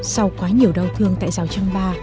sau quá nhiều đau thương tại giao trang ma